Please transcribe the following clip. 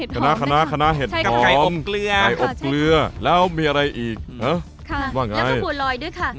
ค่ะค่าแล้วก็บัวลอยด้วยค่ะ